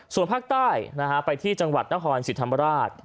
ส่วนภาคใต้ไปที่จังหวัดนครสิทธิ์ธรรมราช